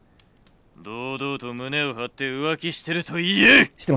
堂々と胸を張って浮気してると言え！」。